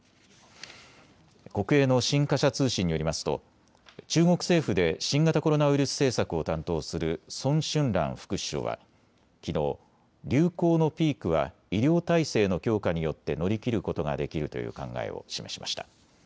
国営の新華社通信によりますと中国政府で新型コロナウイルス政策を担当する孫春蘭副首相はきのう、流行のピークは医療体制の強化によって乗り切ることができるという考えを示しました。